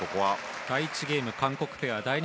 第１ゲームは韓国ペア第２